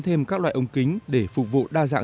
thêm các loại ống kính để phục vụ đa dạng